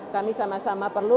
kami sama sama perlu